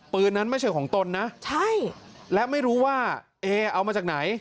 ปืนนั้นไม่ใช่ของตนนะใช่และไม่รู้ว่าเอเอามาจากไหน